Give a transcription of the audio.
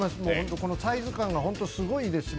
このサイズ感がすごいですね。